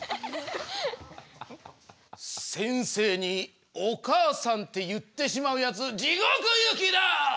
先生に「お母さん」って言ってしまうやつじごく行きだ！